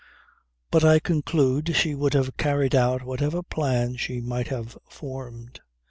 But I conclude she would have carried out whatever plan she might have formed.